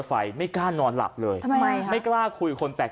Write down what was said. ไฟไม่กล้านอนหลับเลยไม่กล้าคุยคนปล่ะ